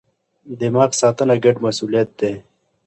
دماغ ساتنه ګډ مسئولیت دی.